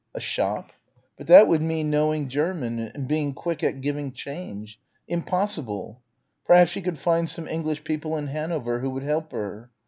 A shop? But that would mean knowing German and being quick at giving change. Impossible. Perhaps she could find some English people in Hanover who would help her.